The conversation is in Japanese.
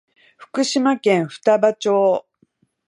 福島県双葉町